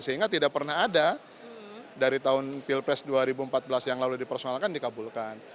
sehingga tidak pernah ada dari tahun pilpres dua ribu empat belas yang lalu dipersoalkan dikabulkan